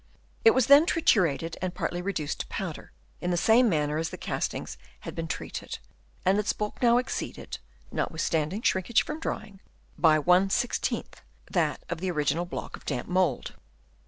It was then triturated and partly reduced to powder, in the same manner as the castings had been treated, and its bulk now exceeded (notwithstanding shrinkage from drying) by ^ that of the original block of damp mould.